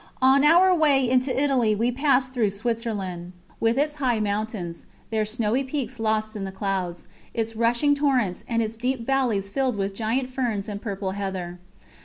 On our way into Italy we passed through Switzerland, with its high mountains, their snowy peaks lost in the clouds, its rushing torrents, and its deep valleys filled with giant ferns and purple heather.